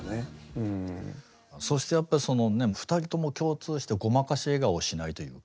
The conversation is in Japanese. そしてやっぱそのね２人とも共通してごまかし笑顔をしないというか。